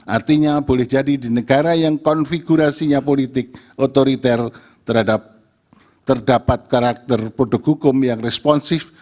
artinya boleh jadi di negara yang konfigurasinya politik otoriter terdapat karakter produk hukum yang responsif